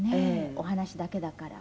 お話だけだから。